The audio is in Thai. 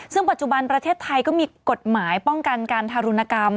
ซึ่งปัจจุบันประเทศไทยก็มีกฎหมายป้องกันการทารุณกรรม